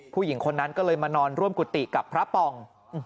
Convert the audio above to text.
ผู้หญิงคนนั้นก็เลยมานอนร่วมกุฏิกับพระป่อง